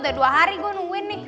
udah dua hari gue nungguin nih